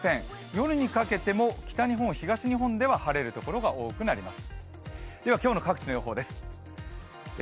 夜にかけても北日本・東日本では晴れるところが多くなります。